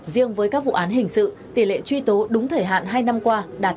riêng với các vụ án hình sự tỷ lệ truy tố đúng thời hạn hai năm qua đạt chín mươi chín chín mươi chín